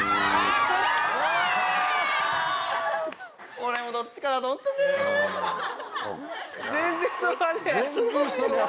俺もどっちかだと思ったんだよね。